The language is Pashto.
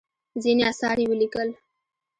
ځینې اثار یې ولیکل.